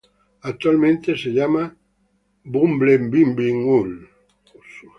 Actualmente es llamado "bumblebee-ui".